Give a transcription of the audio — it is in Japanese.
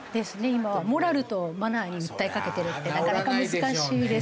今はモラルとマナーに訴えかけてるってなかなか難しいですよね。